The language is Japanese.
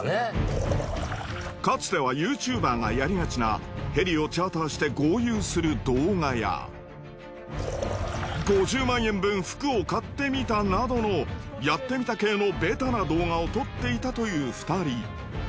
かつてはＹｏｕＴｕｂｅｒがやりがちなヘリをチャーターして豪遊する動画や５０万円分服を買ってみたなどのやってみた系のベタな動画を撮っていたという２人。